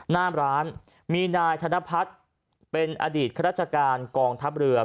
หน้าร้านมีนายธนพัฒน์เป็นอดีตข้าราชการกองทัพเรือ